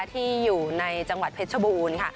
ที่อยู่ในจังหวัดเพชรชบูรณ์